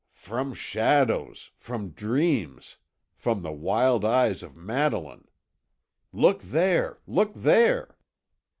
"From shadows from dreams from the wild eyes of Madeline! Look there look there!"